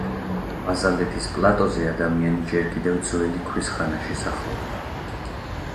ბაზალეთის პლატოზე ადამიანი ჯერ კიდევ ძველი ქვის ხანაში სახლობდა.